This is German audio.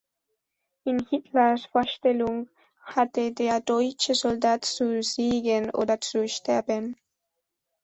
In Hitlers Vorstellung hatte der deutsche Soldat zu siegen oder zu sterben.